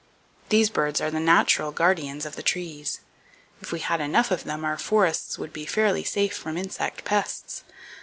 [I] —These birds are the natural guardians of the trees. If we had enough of them, our forests would be fairly safe from insect pests.